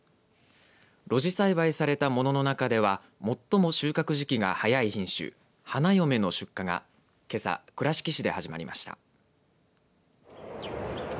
露地栽培されたものの中では最も収穫時期が早い品種はなよめの出荷がけさ倉敷市で始まりました。